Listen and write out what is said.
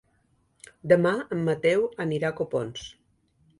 Demà en Mateu anirà a Copons.